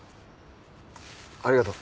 ありがとう。